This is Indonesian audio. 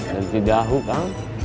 dari cedahu kang